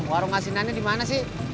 yang warung asinannya dimana sih